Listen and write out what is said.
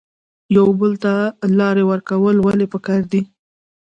یو بل ته لار ورکول ولې پکار دي؟